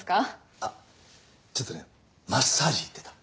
あっちょっとねマッサージ行ってた。